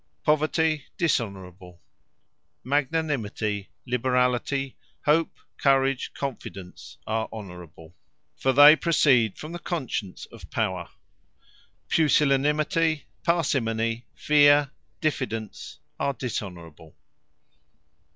Poverty, Dishonourable. Magnanimity, Liberality, Hope, Courage, Confidence, are Honourable; for they proceed from the conscience of Power. Pusillanimity, Parsimony, Fear, Diffidence, are Dishonourable.